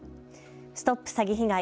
ＳＴＯＰ詐欺被害！